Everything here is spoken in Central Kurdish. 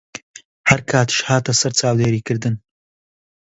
هەر کاتیش هاتە سەر چاودێریکردن